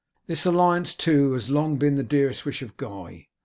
This alliance, too, has long been the dearest wish of Guy.